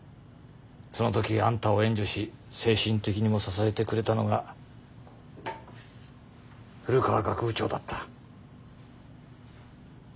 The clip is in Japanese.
その時あんたを援助し精神的にも支えてくれたのが古川学部長だった。